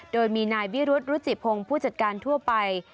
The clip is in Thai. โดยมีนายวิรุธรุจิพงศ์ผู้จัดการทั่วไป